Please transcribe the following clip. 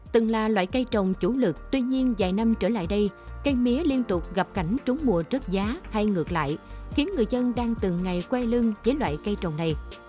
từng là loại cây trồng chủ lực tuy nhiên vài năm trở lại đây cây mía liên tục gặp cảnh trúng mùa rớt giá hay ngược lại khiến người dân đang từng ngày quay lưng với loại cây trồng này